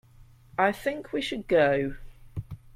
I think we should go.